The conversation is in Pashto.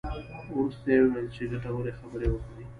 وروسته یې وویل چې ګټورې خبرې وکړې.